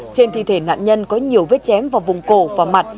trên thi thể nạn nhân có nhiều vết chém vào vùng cổ và mặt